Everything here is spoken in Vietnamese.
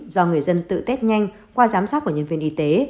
do người dân tự test nhanh qua giám sát của nhân viên y tế